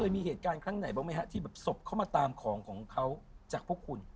มีเหตุการณ์ที่สบเข้ามาตามของของเขาจากพวกคุณ